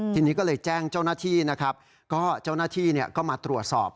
ทีนี้ก็เลยแจ้งเจ้าหน้าที่นะครับก็เจ้าหน้าที่ก็มาตรวจสอบ